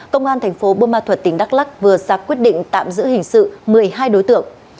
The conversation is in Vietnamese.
công an tp bơ ma thuật tỉnh đắk lắc vừa ra quyết định tạm giữ hình sự một mươi hai đối tượng